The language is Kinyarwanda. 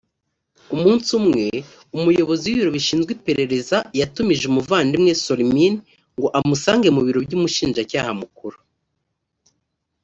umunsi umwe umuyobozi w’ibiro bishinzwe iperereza yatumije umuvandimwe sormin ngo amusange mu biro by’umushinjacyaha mukuru